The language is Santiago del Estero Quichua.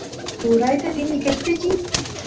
turayta rini qeshpichiy